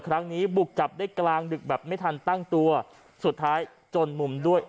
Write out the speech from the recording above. ครั้งนี้บุกจับได้กลางดึกแบบไม่ทันตั้งตัวสุดท้ายจนมุมด้วย